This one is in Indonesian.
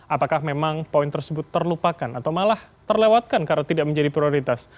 apakah memang poin tersebut terlupakan atau malah terlewatkan karena tidak menjadi prioritas